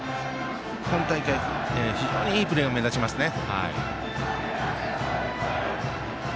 今大会非常にいいプレーが目立ちますね。